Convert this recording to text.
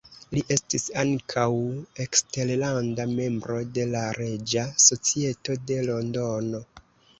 Li estis ankaŭ eskterlanda membro de la Reĝa Societo de Londono.